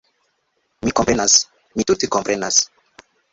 Mi komprenas... mi tute komprenas